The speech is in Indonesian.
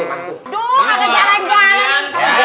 aduh agak jalan jalan